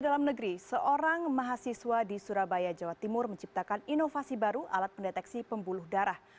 dalam negeri seorang mahasiswa di surabaya jawa timur menciptakan inovasi baru alat pendeteksi pembuluh darah